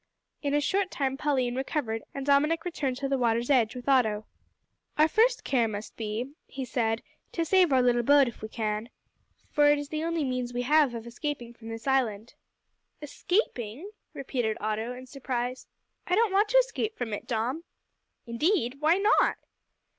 In a short time Pauline recovered, and Dominick returned to the water's edge with Otto. "Our first care must be," he said, "to save our little boat if we can, for it is the only means we have of escaping from this island." "Escaping!" repeated Otto, in surprise. "I don't want to escape from it, Dom." "Indeed! why not?"